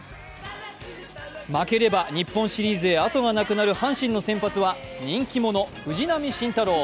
負ければ日本シリーズへあとがなくなる阪神の先発は人気者・藤浪晋太郎！